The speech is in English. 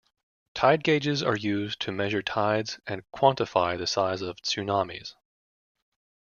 Tide gauges are used to measure tides and quantify the size of tsunamis.